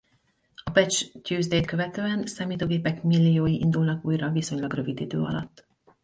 A Patch Tuesday-t követően számítógépek milliói indulnak újra viszonylag rövid idő alatt.